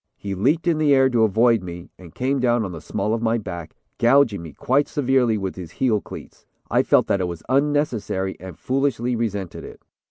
He leaped in the air to avoid me, and came down on the small of my back, gouging me quite severely with his heel cleats. I felt that it was unnecessary and foolishly resented it."